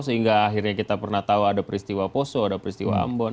sehingga akhirnya kita pernah tahu ada peristiwa poso ada peristiwa ambon